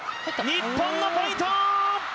日本のポイント！